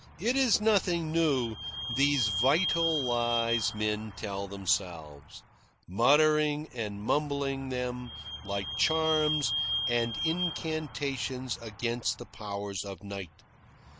"It is nothing new, these vital lies men tell themselves, muttering and mumbling them like charms and incantations against the powers of Night.